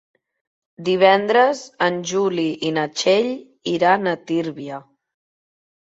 Divendres en Juli i na Txell iran a Tírvia.